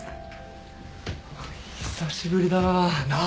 久しぶりだな。